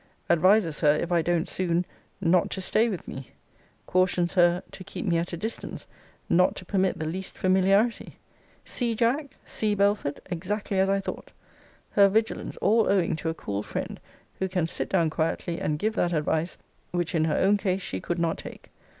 Advises her, if I don't soon, 'not to stay with me.' Cautions her, 'to keep me at a distance; not to permit the least familiarity.' See, Jack! see Belford! Exactly as I thought! Her vigilance all owing to a cool friend; who can sit down quietly, and give that advice, which in her own case she could not take.